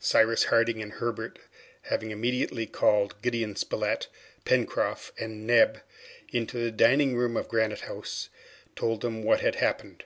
Cyrus Harding and Herbert having immediately called Gideon Spilett, Pencroft, and Neb into the dining room of Granite House, told them what had happened.